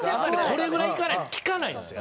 これぐらいいかないと聞かないんですよ